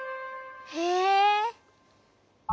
へえ。